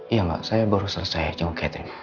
iya mbak saya baru selesai jemput gathering